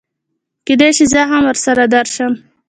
کېدی شي زه هم ورسره درشم